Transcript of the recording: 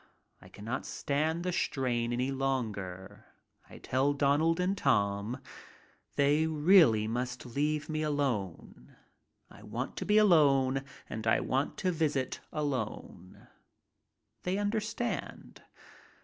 I cannot stand the strain any longer. I tell Don ald and Tom — they really must leave me alone. I want to be alone and want to visit alone. They understand.